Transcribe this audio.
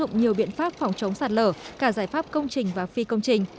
áp dụng nhiều biện pháp phòng chống sạt lở cả giải pháp công trình và phi công trình